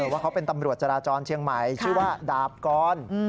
ว่าเขาเป็นตำรวจจราจรเชียงใหม่ชื่อว่าดาบกร